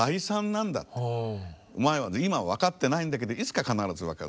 「お前は今は分かってないんだけどいつか必ず分かる。